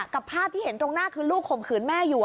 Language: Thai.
ภาพที่เห็นตรงหน้าคือลูกข่มขืนแม่อยู่